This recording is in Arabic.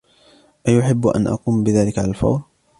أيجب أن أقوم بذلك على الفور ؟